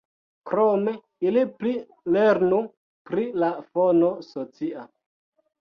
Krome ili pli lernu pri la fono socia.